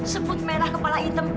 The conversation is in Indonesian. sembut merah kepala hitam